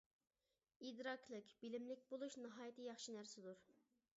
-ئىدراكلىق، بىلىملىك بولۇش ناھايىتى ياخشى نەرسىدۇر.